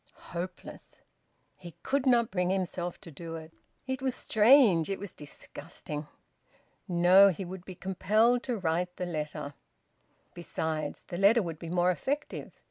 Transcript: Hopeless! He could not bring himself to do it. It was strange! It was disgusting! ... No, he would be compelled to write the letter. Besides, the letter would be more effective.